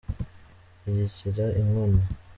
shyigikira inkono.